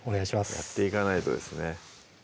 やっていかないとですね